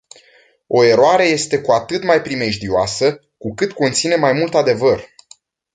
O eroare este cu atât mai primejdioasă, cu cât conține mai mult adevăr.